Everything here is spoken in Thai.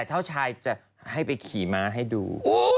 เขาให้พี่ม้าไปขี่ม้าดู